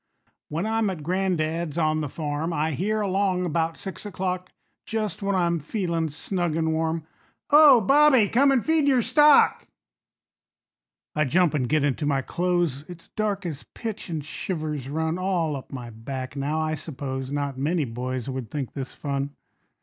When I'm at gran'dad's on the farm, I hear along 'bout six o'clock, Just when I'm feelin' snug an' warm, "Ho, Bobby, come and feed your stock." I jump an' get into my clothes; It's dark as pitch, an' shivers run All up my back. Now, I suppose Not many boys would think this fun.